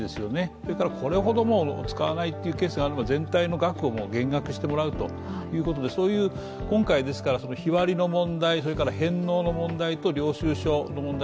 それからこれほど使わないというケースがあるのなら全体の額を減額してもらうということで、今回、日割りの問題、返納の問題と領収書の問題